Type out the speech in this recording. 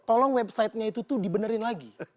tolong websitenya itu tuh dibenerin lagi